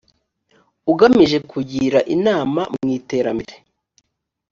ugamije kugira inama mu iterambere